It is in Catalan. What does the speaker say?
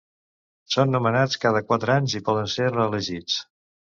Són nomenats cada quatre anys i poden ser reelegits.